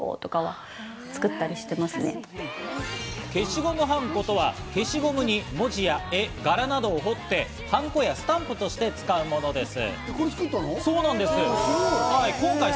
消しゴムはんことは、消しゴムに文字や絵、柄などを彫ってはんこやスタンプとして使うものです。